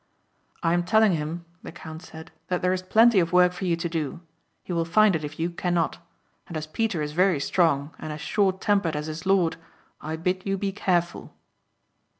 "I am telling him," the count said, "that there is plenty of work for you to do. He will find it if you cannot. And as Peter is very strong and as short tempered as his lord I bid you be careful."